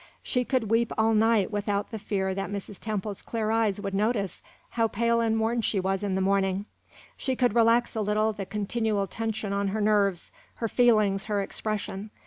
She could weep all night without the fear that Mrs. Temple's clear eyes would notice how pale and worn she was in the morning; she could relax a little the continual tension on her nerves, her feelings, her expression.